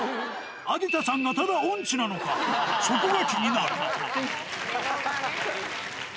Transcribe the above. アディタさんがただ音痴なのか、そこが気になる。